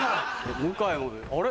向井まであれ？